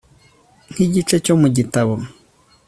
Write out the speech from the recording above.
nk'igice cyo mu gitabo